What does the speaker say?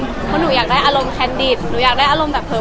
เพราะหนูอยากได้อารมณ์แคนดิตหนูอยากได้อารมณ์แบบเผลอ